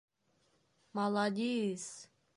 — Маладис!